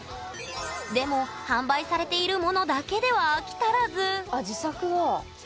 でも販売されているものだけでは飽き足らずあ自作だ。